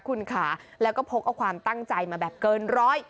คุณค่ะแล้วก็พกเอาความตั้งใจมาแบบเกินร้อย